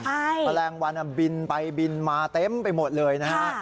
แมลงวันบินไปบินมาเต็มไปหมดเลยนะฮะ